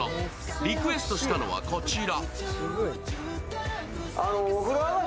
リクエストしたのはこちら。